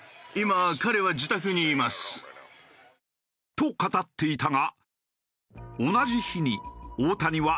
と語っていたが。